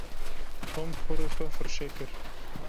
Tom porê xwe firçe kir.